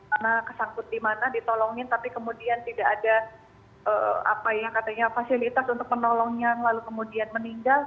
anak kesangkut dimana ditolongin tapi kemudian tidak ada apa yang katanya fasilitas untuk menolongnya lalu kemudian meninggal